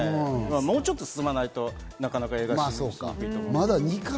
もうちょっと進まないと、なかなか映画にしにく